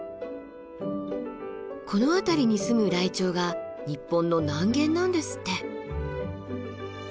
この辺りに住むライチョウが日本の南限なんですって。